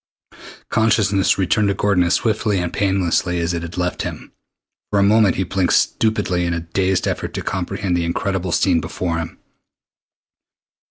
Consciousness returned to Gordon as swiftly and painlessly as it had left him. For a moment he blinked stupidly in a dazed effort to comprehend the incredible scene before him.